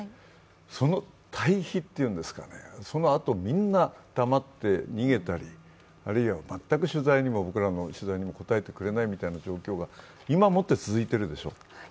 その対比というんですかね、そのあとみんな黙って逃げたり、あるいは全く僕らの取材にも答えてくれないみたいな状態が今もって続いているでしょう。